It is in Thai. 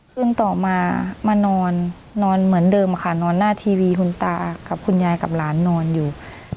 คืนต่อมามานอนนอนเหมือนเดิมค่ะนอนหน้าทีวีคุณตากับคุณยายกับหลานนอนอยู่